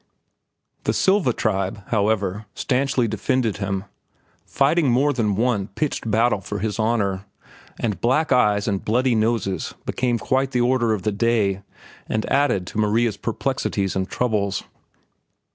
The Silva tribe, however, stanchly defended him, fighting more than one pitched battle for his honor, and black eyes and bloody noses became quite the order of the day and added to Maria's perplexities and troubles.